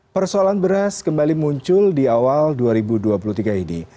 persoalan beras kembali muncul di awal dua ribu dua puluh tiga ini